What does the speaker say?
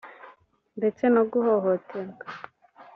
ndetse no guhohoterwa